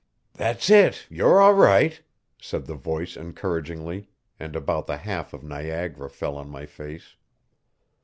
"That's it, you're all right," said the voice encouragingly, and about the half of Niagara fell on my face.